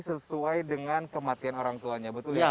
sesuai dengan kematian orang tuanya betul ya